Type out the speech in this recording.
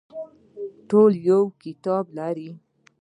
ټول یو کتاب لري